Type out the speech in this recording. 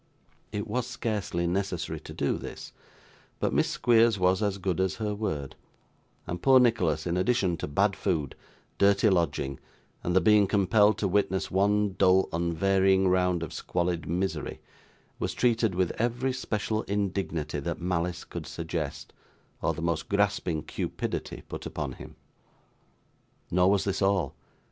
It was scarcely necessary to do this, but Miss Squeers was as good as her word; and poor Nicholas, in addition to bad food, dirty lodging, and the being compelled to witness one dull unvarying round of squalid misery, was treated with every special indignity that malice could suggest, or the most grasping cupidity put upon him. Nor was this all.